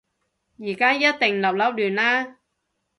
而家一定立立亂啦